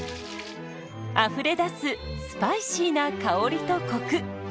あふれ出すスパイシーな香りとコク。